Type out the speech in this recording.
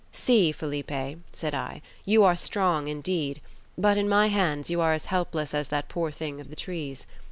"See, Felipe," said I, "you are strong indeed; but in my hands you are as helpless as that poor thing of the trees.